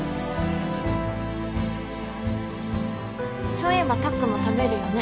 そういえばたっくんも食べるよね